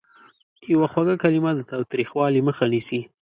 یوه خوږه کلمه د تاوتریخوالي مخه نیسي.